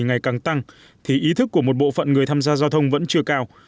ngày càng tăng thì ý thức của một bộ phận người tham gia giao thông vẫn chưa cao